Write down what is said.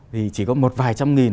thì chỉ có một vài trăm nghìn